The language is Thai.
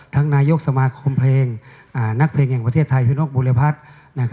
นายกสมาคมเพลงนักเพลงแห่งประเทศไทยคือนกบุรพัฒน์